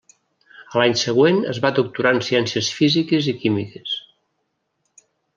A l'any següent es va doctorar en ciències físiques i químiques.